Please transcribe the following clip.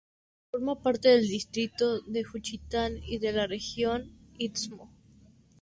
Forma parte del distrito de Juchitán y de la región Istmo.